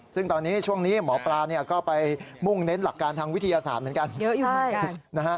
ซึ่งตอนนี้ช่วงนี้หมอปลาก็ไปมุ่งเน้นหลักการทางวิทยาศาสตร์เหมือนกันเยอะนะฮะ